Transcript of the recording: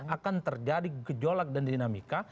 akan terjadi gejolak dan dinamika